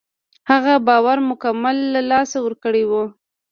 هغه باور مکمل له لاسه ورکړی و.